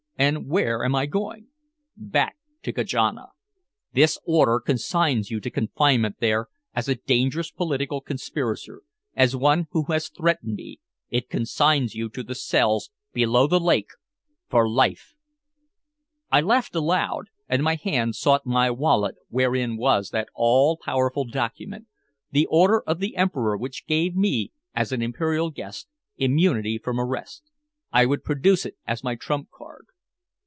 And where am I going?" "Back to Kanaja. This order consigns you to confinement there as a dangerous political conspirator, as one who has threatened me it consigns you to the cells below the lake for life!" I laughed aloud, and my hand sought my wallet wherein was that all powerful document the order of the Emperor which gave me, as an imperial guest, immunity from arrest. I would produce it as my trump card.